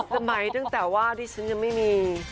สมัยตั้งแต่ว่าที่ฉันยังไม่มี